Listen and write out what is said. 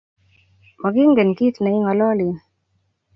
Mokingen kiit neing'ololen